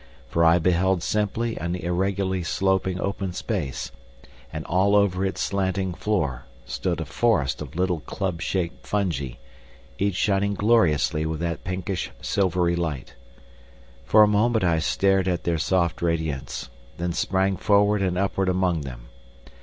For I beheld simply an irregularly sloping open space, and all over its slanting floor stood a forest of little club shaped fungi, each shining gloriously with that pinkish silvery light. For a moment I stared at their soft radiance, then sprang forward and upward among them.